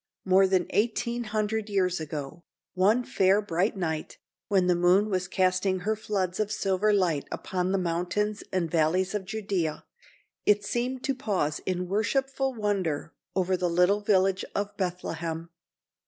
More than eighteen hundred years ago, one fair bright night, when the moon was casting her floods of silver light upon the mountains and valleys of Judea, it seemed to pause in worshipful wonder over the little village of Bethlehem.